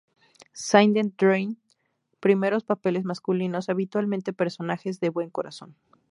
Sidney Drew", primeros papeles masculinos, habitualmente personajes de buen corazón.